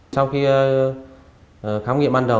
sau khi khám nghiệm ban đầu